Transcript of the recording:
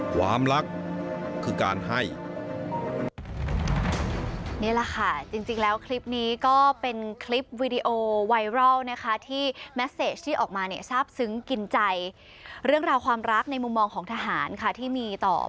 ความรักคือการให้